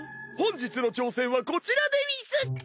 本日の挑戦はこちらでうぃす！